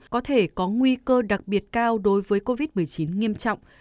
có thể có nguy cơ đặc biệt cao đối với covid một mươi chín nghiêm trọng